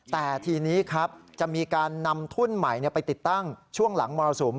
แต่ทีนี้ครับจะมีการนำทุ่นใหม่ไปติดตั้งช่วงหลังมรสุม